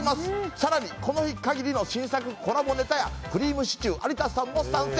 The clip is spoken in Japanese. さらにこの日限りの新作コラボネタやくりぃむしちゅー・有田さんも参戦。